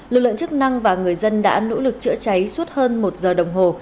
lực lượng chức năng và người dân đã nỗ lực chữa cháy suốt hơn một giờ đồng hồ